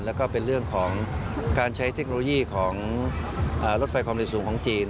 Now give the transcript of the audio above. แล้วก็เป็นเรื่องของการใช้เทคโนโลยีของรถไฟความเร็วสูงของจีน